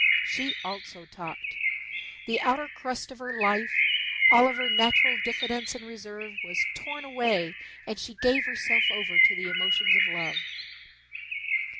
She also talked. The outer crust of her life, all of her natural diffidence and reserve, was torn away and she gave herself over to the emotions of love.